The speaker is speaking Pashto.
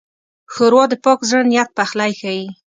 ښوروا د پاک زړه نیت پخلی ښيي.